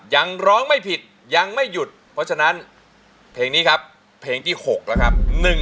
ร้องไม่ผิดยังไม่หยุดเพราะฉะนั้นเพลงนี้ครับเพลงที่๖แล้วครับ